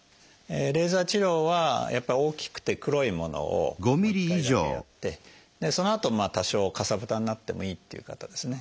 レーザー治療は大きくて黒いものを１回だけやってそのあと多少かさぶたになってもいいっていう方ですね。